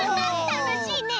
たのしいね！